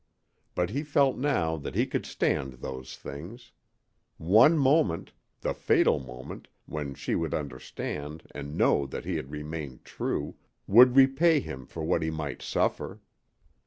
But he felt now that he could stand those things. One moment the fatal moment, when she would understand and know that he had remained true would repay him for what he might suffer.